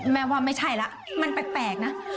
แม่ว่าไม่ใช่แล้วมันแปลกนะ